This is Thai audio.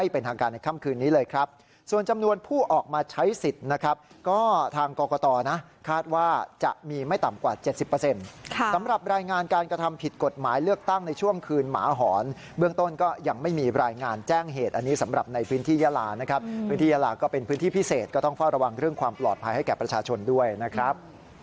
พื้นที่หลักก็เป็นพื้นที่พิเศษก็ต้องเฝ้าระวังเรื่องความปลอดภัยให้แก่ประชาชนด้วยนะครับ